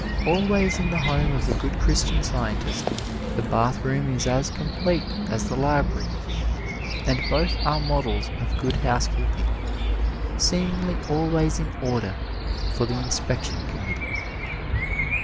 Always in the home of a good Christian Scientist the bathroom is as complete as the library, and both are models of good housekeeping, seemingly always in order for the inspection committee.